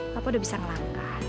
papa udah bisa ngelangkah